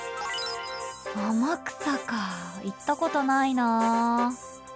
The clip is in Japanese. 天草かぁ行ったことないなぁ。